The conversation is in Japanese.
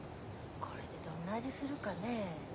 これでどんな味するかねえ？